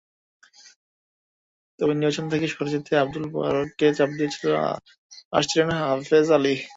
তবে নির্বাচন থেকে সরে যেতে আবদুল বারেককে চাপ দিয়ে আসছিলেন হাফেজ আলী।